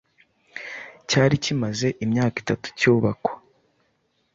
cyari kimaze imyaka itatu cyubakwa